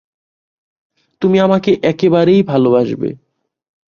তুমি আমাকে একেবারেই ভালবাসবে।